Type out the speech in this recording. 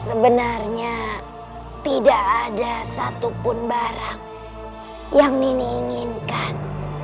sebenarnya tidak ada satupun barang yang nini inginkan